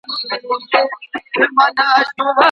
د کندهار انار بې رنګه نه دي.